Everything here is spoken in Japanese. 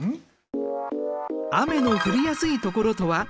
雨の降りやすいところとは？